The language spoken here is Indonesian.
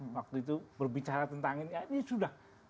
waktu itu berbicara tentang ini ya ini sudah